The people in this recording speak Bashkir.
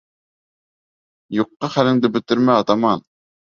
— Юҡҡа хәлеңде бөтөрмә, атаман.